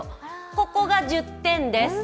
ここが１０点です。